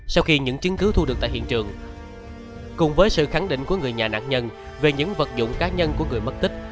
sau khi những chứng cứ thu được tại hiện trường cùng với sự khẳng định của người nhà nạn nhân về những vật dụng cá nhân của người mất tích